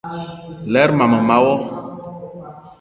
Lerma mema wo.